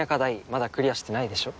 まだクリアしてないでしょ？